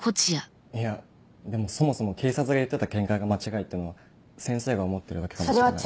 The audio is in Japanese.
いやでもそもそも警察が言ってた見解が間違いってのは先生が思ってるだけかもしれないし。